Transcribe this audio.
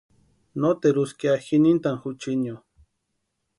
Nóteru úska ya ji nintʼani juchinio.